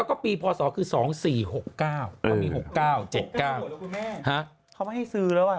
ขอบคุณแม่มันไม่ให้ซื้อแล้ว